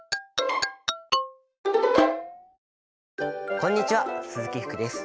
こんにちは鈴木福です。